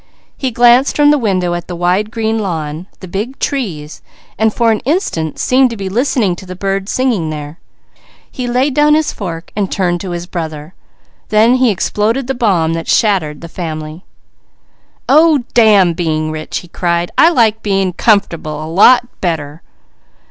He glanced from the window at the wide green lawn, the big trees, and for an instant seemed to be listening to the birds singing there. He laid down his fork, turning to his brother. Then he exploded the bomb that shattered the family. "Oh damn being rich!" he cried. "I like being comfortable a lot better!